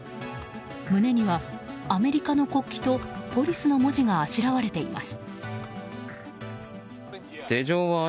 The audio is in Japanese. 胸にはアメリカの国旗とＰＯＬＩＣＥの文字があしらわれています。